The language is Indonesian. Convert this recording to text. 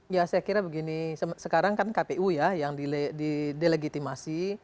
ya saya kira begini sekarang kan kpu ya yang didelegitimasi